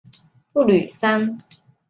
布吕桑。